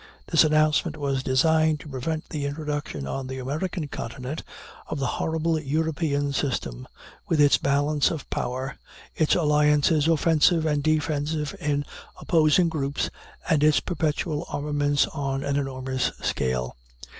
This announcement was designed to prevent the introduction on the American continent of the horrible European system with its balance of power, its alliances offensive and defensive in opposing groups, and its perpetual armaments on an enormous scale.